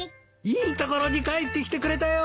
いいところに帰ってきてくれたよ。